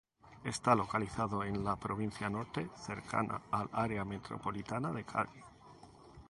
Está localizado en la Provincia Norte, cercana al Área Metropolitana de Cali.